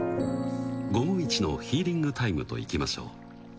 午後一のヒーリングタイムといきましょう。